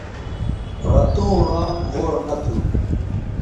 رتوں رانگ غور نہ تھو